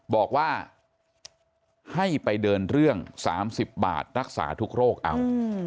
บอกว่าให้ไปเดินเรื่อง๓๐บาทรักษาทุกโรคเอา